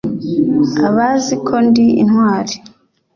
Abazi ko ndi intwari